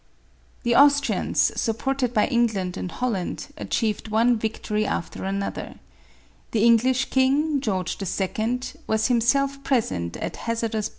The Austrians, supported by England and Holland, achieved one victory after another. The English king, George II., was himself present at hazardous V MARIA THERESA.